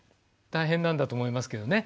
大変なんだと思いますけどね。